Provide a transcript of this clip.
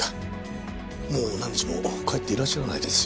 もう何日も帰っていらっしゃらないですよね。